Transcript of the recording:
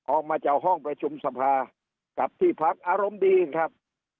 ออกมาจากห้องประชุมสภากับที่พักอารมณ์ดีครับ